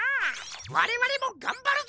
われわれもがんばるぞ！